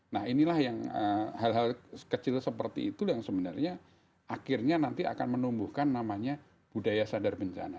nah inilah yang hal hal kecil seperti itu yang sebenarnya akhirnya nanti akan menumbuhkan namanya budaya sadar bencana